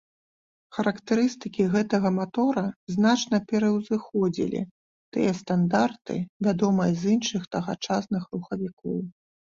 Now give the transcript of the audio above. Характарыстыкі гэтага матора значна пераўзыходзілі тыя стандарты, вядомыя з іншых тагачасных рухавікоў.